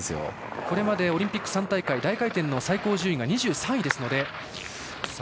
これまでオリンピック３大会大回転の最高順位が２３位です。